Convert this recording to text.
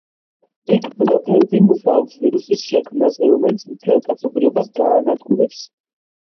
იქ ბლოფელდი მუშაობს ვირუსის შექმნაზე, რომელიც მთელ კაცობრიობას გაანადგურებს.